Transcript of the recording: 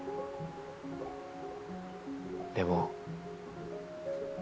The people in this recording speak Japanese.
でも。